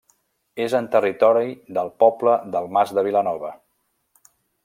És en territori del poble del Mas de Vilanova.